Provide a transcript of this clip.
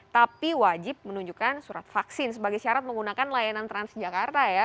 tapi wajib menunjukkan surat vaksin sebagai syarat menggunakan layanan transjakarta ya